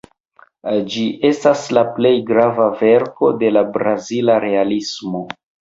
Ĝi estas la plej grava verko de la brazila Realismo.